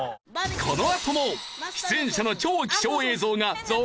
このあとも出演者の超貴重映像が続々登場しますよ！